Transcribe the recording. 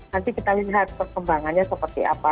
nanti kita lihat perkembangannya seperti apa